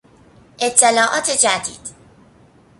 اطلاعات جدید